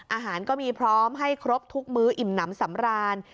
อาหารก็มีพร้อมให้ครบทุกมื้ออิ่มน้ำสำราญ